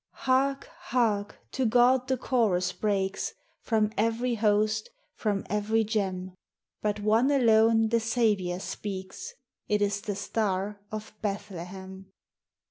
Hark ! hark ! to God the chorus breaks, From every host, from every gem : But one alone the Saviour speaks, It is the Star of Bethlehem.